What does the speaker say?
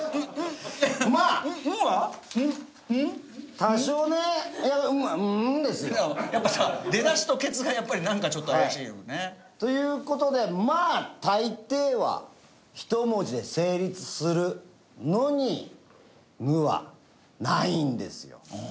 多少ね「ん」は「ん？」ですよ。やっぱさ出だしとケツがやっぱりなんかちょっと怪しいよね。という事でまあ大抵は１文字で成立するのに「ぬ」はないんですよ。